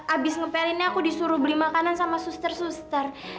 abis nge pl ini aku disuruh beli makanan sama suster suster